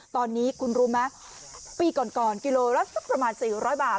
ตอนนี้คุณรู้ไหมปีก่อนกิโลละสักประมาณ๔๐๐บาท